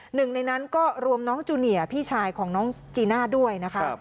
หนึ่งในนั้นก็รวมน้องจูเนียร์พี่ชายของน้องจีน่าด้วยนะคะ